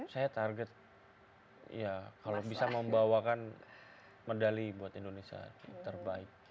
saya target ya kalau bisa membawakan medali buat indonesia terbaik